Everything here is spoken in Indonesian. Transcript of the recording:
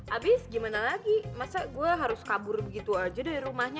abis gimana lagi masa gue harus kabur begitu aja dari rumahnya